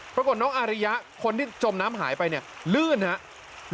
ปรากฏน้องอาริยะคนที่จมน้ำหายไปเนี่ยลื่นครับ